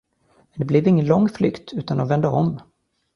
Men det blev ingen lång flykt, utan de vände om.